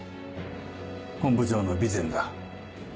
本部長の備前だ。